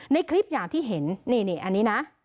ในคลิปอย่างที่เห็นนี่อันนี้นะ